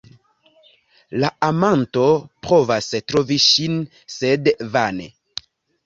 La amanto provas trovi ŝin, sed vane.